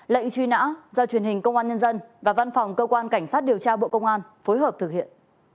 lệnh truy nã do truyền hình công an nhân dân và văn phòng cơ quan cảnh sát điều tra bộ công an phối hợp thực hiện